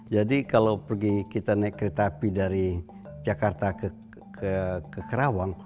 jadi kalau pergi kita naik kereta api dari jakarta ke kerawang